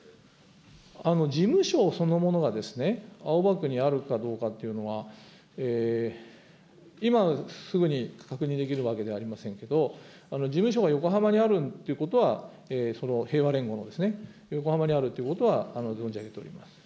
事務所そのものが青葉区にあるかどうかというのは、今すぐに確認できるわけではありませんけど、事務所が横浜にあるということは、平和連合のですね、横浜にあるということは存じ上げております。